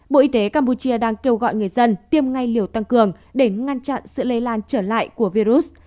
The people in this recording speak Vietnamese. bộ y tế campuchia đang kêu gọi người dân tiêm ngay liều tăng cường để ngăn chặn sự lây lan trở lại của virus